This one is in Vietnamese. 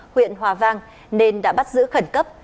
huyện hòa vang nên đã bắt giữ khẩn cấp